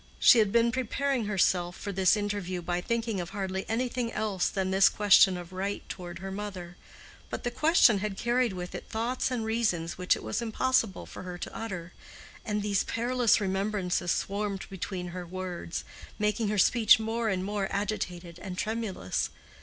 She had been preparing herself for this interview by thinking of hardly anything else than this question of right toward her mother; but the question had carried with it thoughts and reasons which it was impossible for her to utter, and these perilous remembrances swarmed between her words, making her speech more and more agitated and tremulous.